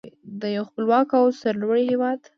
د یو خپلواک او سرلوړي هیواد.